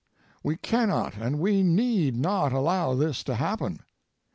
We cannot and we need not allow this to happen.